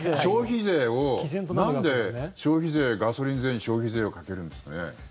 消費税、ガソリン税に消費税をかけるんですかね。